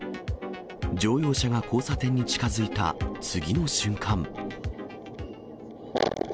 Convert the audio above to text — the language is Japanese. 乗用車が交差点に近づいた次の瞬間。